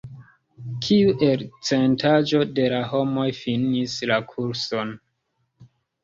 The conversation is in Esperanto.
Kiu elcentaĵo de la homoj finis la kurson?